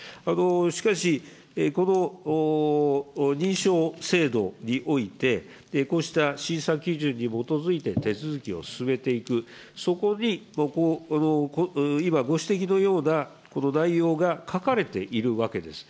しかし、この認証制度において、こうした審査基準に基づいて手続きを進めていく、そこに今ご指摘のようなこの内容が書かれているわけです。